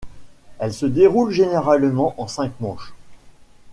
Elle se déroule généralement en cinq manches.